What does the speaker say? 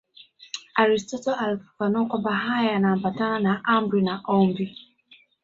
Aristotle alifafanua kwamba haya yanaambatana na amri na ombi.